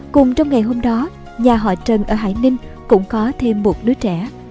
cùng trong ngày hôm đó nhà họ trần ở hải ninh cũng có thêm một đứa trẻ